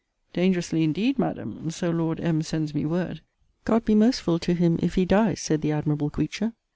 Dangerously indeed, Madam! So Lord M. sends me word! God be merciful to him, if he die! said the admirable creature.